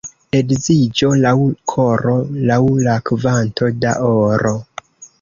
Edziĝo laŭ koro, laŭ la kvanto da oro.